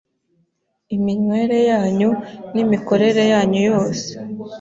iminywere yanyu, n’imikorere yanyu yose